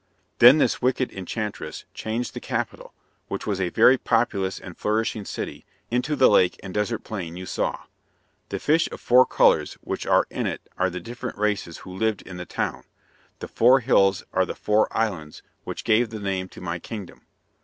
Then this wicked enchantress changed the capital, which was a very populous and flourishing city, into the lake and desert plain you saw. The fish of four colours which are in it are the different races who lived in the town; the four hills are the four islands which give the name to my kingdom.